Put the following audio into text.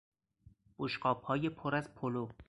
بشقابهای پر از پلو